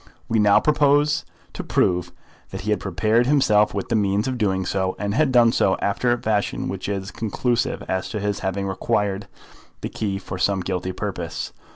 We now propose to prove that he had prepared himself with the means of doing so, and had done so after a fashion which is conclusive as to his having required the key for some guilty purpose.